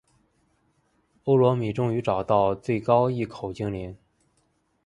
欧罗米终于找到最高隘口精灵。